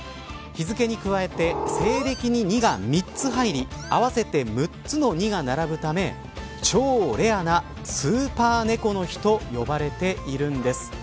日付に加えて西暦に２が３つ入りあわせて６つの２が並ぶため超レアなスーパー猫の日と呼ばれているんです。